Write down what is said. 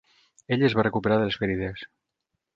Ell es va recuperar de les ferides.